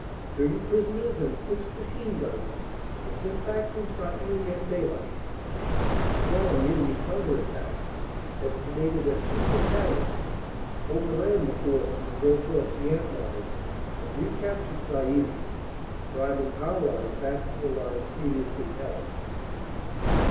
Thirty prisoners and six machine guns were sent back from Sailly at daylight; a strong enemy counter attack (estimated at two battalions) overran the force in the Drocourt Queant line and recaptured Sailly, driving our line back to the line previously held.